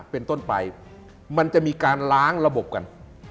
เป็นต้นไปมันจะมีการล้างระบบกัน